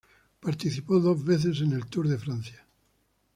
Participó dos veces en el Tour de Francia.